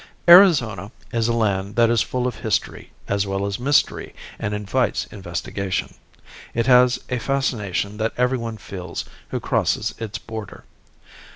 Arizona is a land that is full of history as well as mystery and invites investigation. It has a fascination that every one feels who crosses its border.